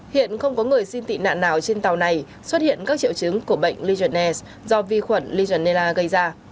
hiện không có người xin tị nạn nào trên tàu này xuất hiện các triệu chứng của bệnh legion air do vi khuẩn legionella gây ra